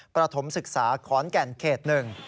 ประถมศึกษาขอนแก่นเขต๑